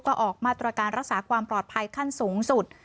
ก็ออกมาตรการรักษาความปลอดภัยขั้นสูงสุด